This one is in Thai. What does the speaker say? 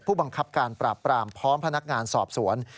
ผู้บังคับการปราบปรามพร้อมพนักงานสอบสวน